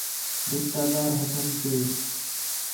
رشتہ دار ہتھین پئے